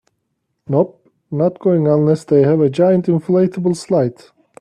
Nope, not going unless they have a giant inflatable slide.